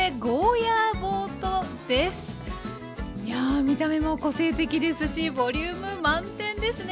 いや見た目も個性的ですしボリューム満点ですね。